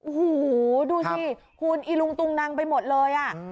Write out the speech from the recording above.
โอ้โหดูสิคุณอีลุงตุงนังไปหมดเลยอ่ะ